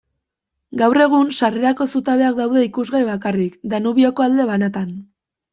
Gaur egun, sarrerako zutabeak daude ikusgai bakarrik, Danubioko alde banatan.